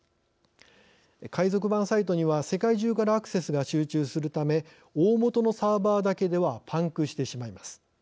海賊版サイトには世界中からアクセスが集中するため大本のサーバーだけではパンクしてしまいます。